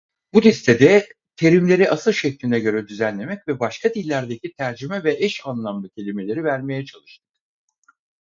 Bu listede terimleri asıl şekline göre düzenlemek ve başka dillerdeki tercüme ve eş anlamlı kelimeleri vermeye çalıştık.